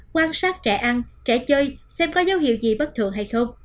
quan sát trẻ ăn trẻ chơi xem có dấu hiệu gì bất thường hay không